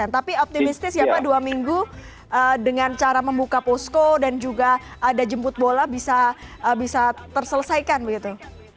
tapi optimistis ya pak dua minggu dengan cara membuka posko dan juga ada jemput bola bisa terselesaikan begitu